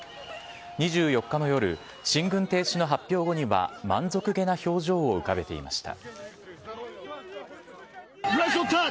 ２４日の夜、進軍停止の発表後には、満足げな表情を浮かべていました。